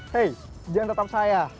hei jangan tetap saya